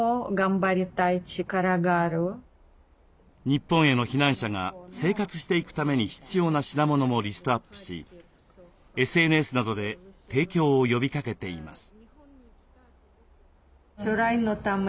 日本への避難者が生活していくために必要な品物もリストアップしＳＮＳなどで提供を呼びかけています。